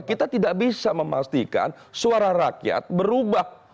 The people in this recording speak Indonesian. kita tidak bisa memastikan suara rakyat berubah